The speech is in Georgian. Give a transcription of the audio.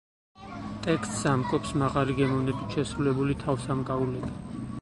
ტექსტს ამკობს მაღალი გემოვნებით შესრულებული თავსამკაულები.